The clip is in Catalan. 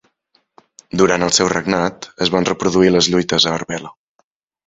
Durant el seu regnat es van reproduir les lluites a Arbela.